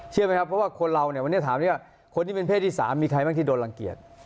ครับเพราะว่าคนเราเนี่ยวันนี้ถามได้ว่าคนที่เป็นเพศที่๓มีใครบ้างที่โดนรังเกียจ